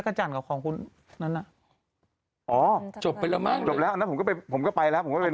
ขาขึ้นช่วงนี้ขาขึ้น